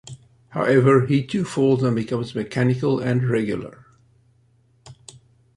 However, he too falls and becomes mechanical and regular.